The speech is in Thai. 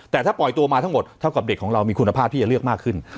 แต่ถ้าปล่อยตัวมาทั้งหมดเท่ากับเด็กของเรามีคุณภาพที่จะเลือกมากขึ้น